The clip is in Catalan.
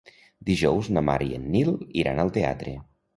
Dijous na Mar i en Nil iran al teatre.